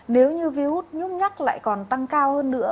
nếu như virus nhúc nhắt lại còn tăng cao hơn nữa